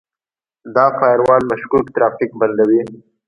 دا فایروال مشکوک ترافیک بندوي.